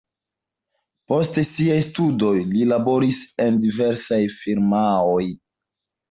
Post siaj studoj li laboris en diversaj firmaoj.